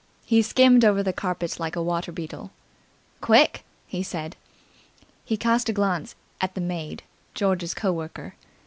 He skimmed over the carpet like a water beetle. "Quick!" he said. He cast a glance at the maid, George's co worker.